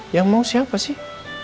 yang mau siapa sih